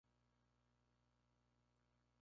Fue descrita en "Orchid Rev.